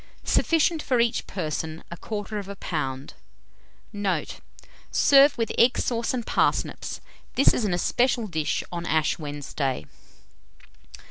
Sufficient for each person, 1/4 lb. Note. Serve with egg sauce and parsnips. This is an especial dish on Ash Wednesday.